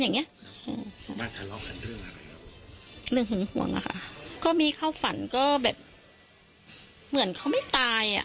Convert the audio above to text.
อย่างเงี้ยเรื่องห่วงอ่ะค่ะก็มีข้าวฝันก็แบบเหมือนเขาไม่ตายอ่ะ